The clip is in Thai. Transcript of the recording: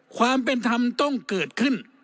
ความเป็นธรรมต้องเกิดขึ้น